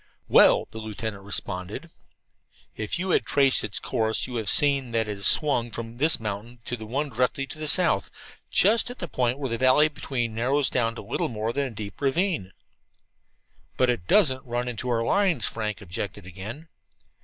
"Well," the lieutenant responded, "if you had traced its course you would have seen that it is swung from this mountain to the one directly to the south, just at the point where the valley between narrows down to little more than a deep ravine." "But it doesn't run into our lines," Frank objected again.